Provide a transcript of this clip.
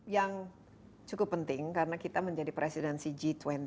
yang cukup penting karena kita menjadi presidensi g dua puluh